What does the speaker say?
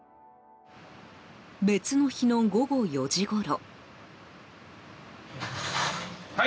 別の日の午後４時ごろ。